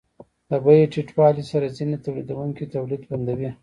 د بیې ټیټوالي سره ځینې تولیدونکي تولید بندوي